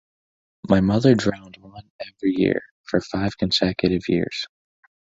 My mother drowned one every year for five consecutive years.